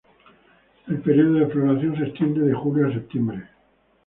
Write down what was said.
El período de floración se extiende de julio a septiembre.